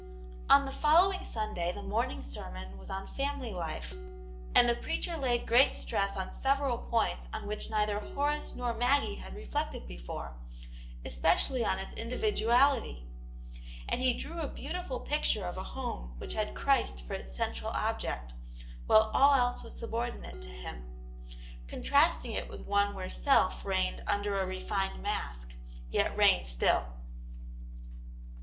On the following Sunday the morning sermon was on family life, and the preacher laid great stress on several points on which neither Horace nor Maggie had reflected before, especially on its in » dividuality. And he drew a beautiful picture of a home which had Christ for its central object, while all else was subordinate to Him, contrasting it with one where self reigned under a refined mask, yet reigned still.